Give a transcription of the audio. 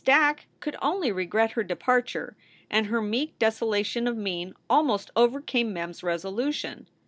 Dack could only regret her departure, and her meek desolation of mien almost overcame Mem s resolution.